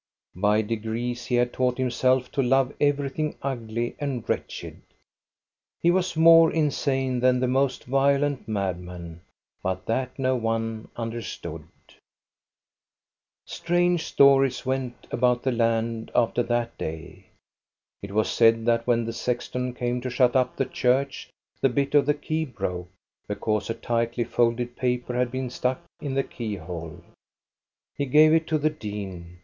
By degrees he had taught him self to love everything ugly and wretched. He was more insane than the most violent madman, but that no one understood. Strange stories went about the land after that day. It was said that when the sexton came to shut up the church, the bit of the key broke, because a tightly folded paper had been stuck in the keyhole. He gave it to the dean.